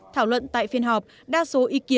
thảo luận tại phiên họp đa số ý kiến